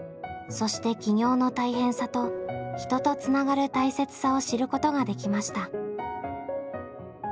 そして起業の大変さと人とつながる大切さを知ることができました。